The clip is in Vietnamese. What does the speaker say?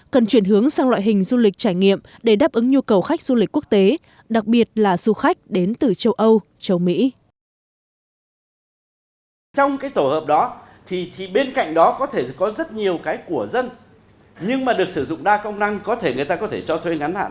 cần chuyển hướng sang loại hình du lịch trải nghiệm để đáp ứng nhu cầu khách du lịch quốc tế đặc biệt là du khách đến từ châu âu châu mỹ